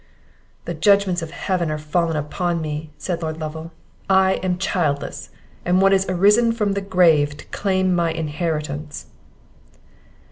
"The judgments of Heaven are fallen upon me!" said Lord Lovel. "I am childless, and one is arisen from the grave to claim my inheritance."